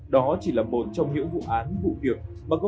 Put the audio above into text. đó chỉ là một trong những vụ án vụ việc